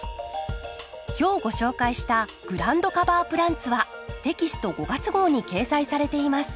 今日ご紹介した「グラウンドカバープランツ」はテキスト５月号に掲載されています。